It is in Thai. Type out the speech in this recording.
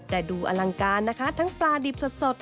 แต่ดูอลังการนะคะทั้งปลาดิบสด